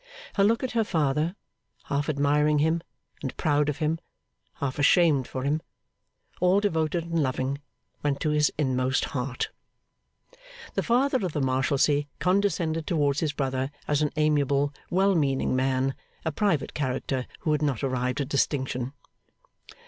Her look at her father, half admiring him and proud of him, half ashamed for him, all devoted and loving, went to his inmost heart. The Father of the Marshalsea condescended towards his brother as an amiable, well meaning man; a private character, who had not arrived at distinction.